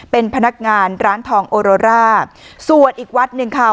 เป็นพนักงานร้านทองโอโรร่าส่วนอีกวัดหนึ่งค่ะ